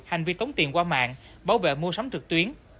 hành vi tống tiền qua mạng bảo vệ mua sắm trực tuyến